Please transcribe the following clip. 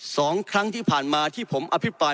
สองครั้งที่ผ่านมาที่ผมอภิปราย